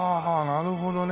なるほどね。